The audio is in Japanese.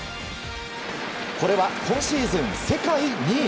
これは、今シーズン世界２位。